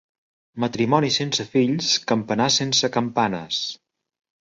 Matrimoni sense fills, campanar sense campanes.